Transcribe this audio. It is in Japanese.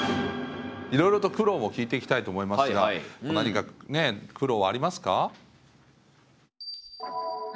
いろいろと苦労も聞いていきたいと思いますが何か苦労はありますか？